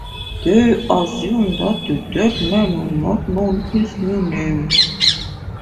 They assume that the dead man will not know his new name.